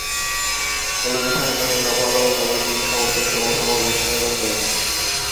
কলেজে থাকাকালীন রামা রাও কমিটির সমর্থনে সভা-সমাবেশ আয়োজন করেন।